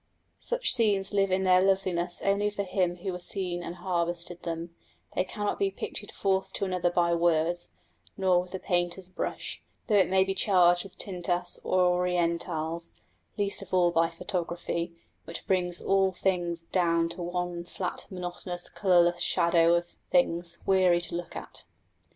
Such scenes live in their loveliness only for him who has seen and harvested them: they cannot be pictured forth to another by words, nor with the painter's brush, though it be charged with tintas orientales; least of all by photography, which brings all things down to one flat, monotonous, colourless shadow of things, weary to look at.